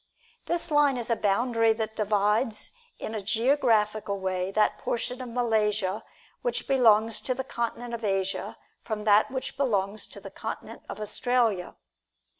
This line is a boundary that divides in a geographical way that portion of Malaysia which belongs to the continent of Asia from that which belongs to the continent of Australia.